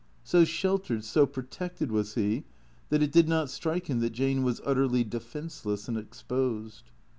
So sheltered, so protected was he that it did not strike him that Jane was utterly defenceless and exposed.